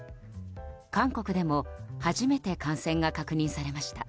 韓国でも初めて感染が確認されました。